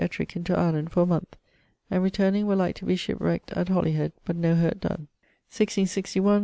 Ettrick into Ireland for a moneth; and returning were like to be ship wrackt at Holy head, but no hurt donne.